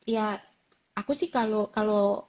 ya aku sih kalau